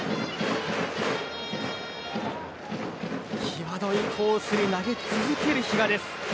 際どいコースに投げ続ける比嘉です。